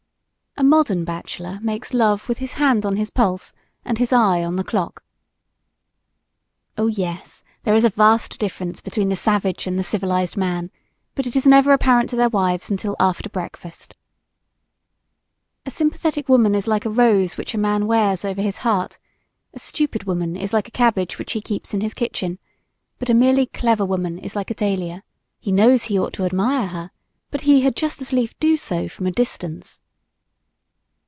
A modern bachelor makes love with his hand on his pulse and his eye on the clock. Oh yes, there is a vast difference between the savage and the civilized man, but it is never apparent to their wives until after breakfast. A sympathetic woman is like a rose which a man wears over his heart; a stupid woman is like a cabbage which he keeps in his kitchen; but a merely "clever" woman is like a dahlia he knows he ought to admire her, but he had just as lief do so from a distance.